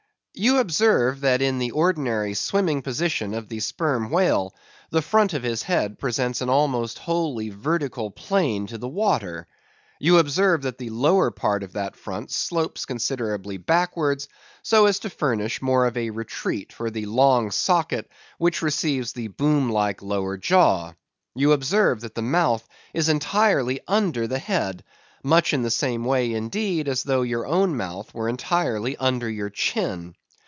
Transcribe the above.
You observe that in the ordinary swimming position of the Sperm Whale, the front of his head presents an almost wholly vertical plane to the water; you observe that the lower part of that front slopes considerably backwards, so as to furnish more of a retreat for the long socket which receives the boom like lower jaw; you observe that the mouth is entirely under the head, much in the same way, indeed, as though your own mouth were entirely under your chin.